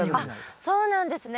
あっそうなんですね。